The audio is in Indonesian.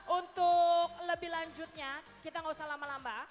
untuk lebih lanjutnya kita nggak usah lama lama